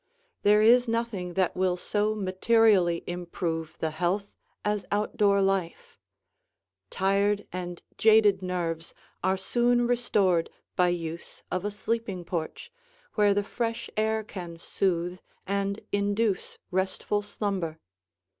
There is nothing that will so materially improve the health as outdoor life; tired and jaded nerves are soon restored by use of a sleeping porch, where the fresh air can soothe and induce restful slumber.